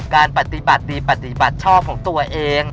การปฏิบัติดีปฏิบัติชอบของตัวเอง